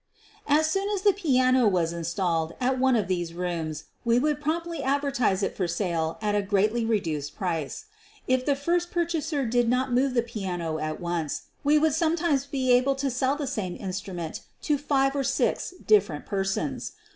As soon as the piano was installed at one of these rooms we would promptly advertise it for sale at a greatly reduced price. If the first purchaser did not move the piano at once we would sometimes be able to sell the same instrument to five or six different persons.